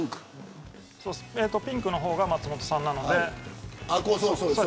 ピンクの方が松本さんなので。